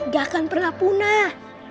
gak akan pernah punah